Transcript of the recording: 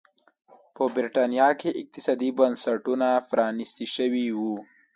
په برېټانیا کې اقتصادي بنسټونه پرانيستي شوي وو.